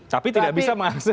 tapi tidak bisa mas